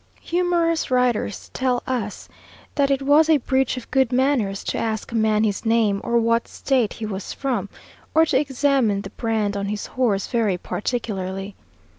Humorous writers tell us that it was a breach of good manners to ask a man his name, or what State he was from, or to examine the brand on his horse very particularly.